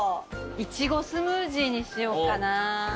苺スムージーにしようかな。